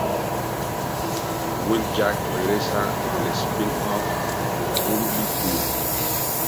Wheeljack regresa en el spin-off Bumblebee.